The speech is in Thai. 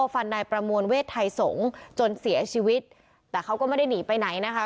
ฟันนายประมวลเวทไทยสงฆ์จนเสียชีวิตแต่เขาก็ไม่ได้หนีไปไหนนะคะ